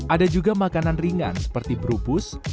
ada juga makanan ringan seperti berubus